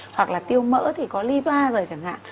hoặc là tiêu mỡ thì có lipase chẳng hạn